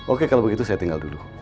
oke kalau begitu saya tinggal dulu